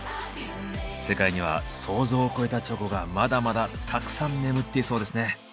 世界には想像を超えたチョコがまだまだたくさん眠っていそうですね。